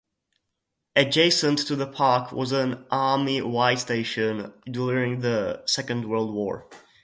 Adjacent to the park was an Army Y-station during the Second World War.